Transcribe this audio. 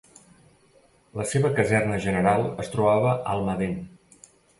La seva caserna general es trobava a Almadén.